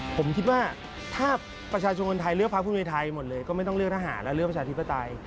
ผมคิดว่าถ้าประชาชนคนไทยเลือกพักภูมิใจไทยหมดเลยก็ไม่ต้องเลือกทหารและเลือกประชาธิปไตย